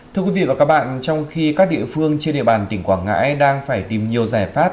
thưa quý vị và các bạn trong khi các địa phương trên địa bàn tỉnh quảng ngãi đang phải tìm nhiều giải pháp